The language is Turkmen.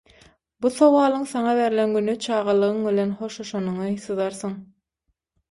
Bu sowalyň saňa berlen güni çagalygyň bilen hoşlaşanyňy syzarsyň.